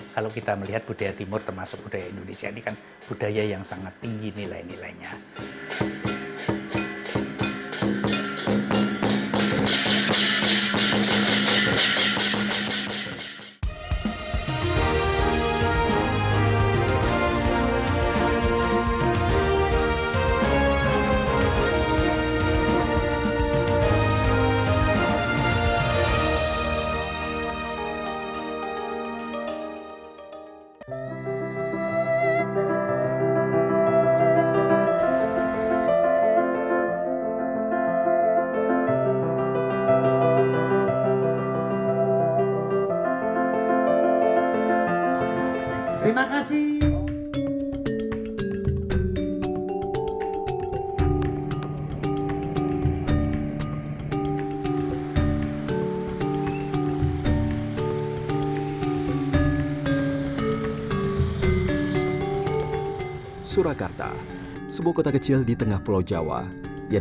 kalau kita melihat budaya timur termasuk budaya indonesia